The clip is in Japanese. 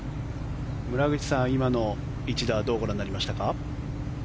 村口さん、今の一打はどうご覧になりましたか？